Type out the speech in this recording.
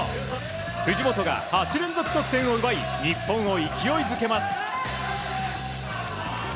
藤本が８連続得点を奪い日本を勢いづけます。